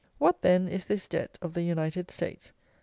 What, then, is this debt of the United States?